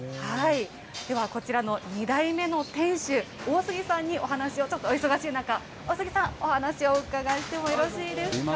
ではこちらの２代目の店主、大杉さんにお話をちょっと、お忙しい中、大杉さん、お話をお伺いしてもよろしいですか。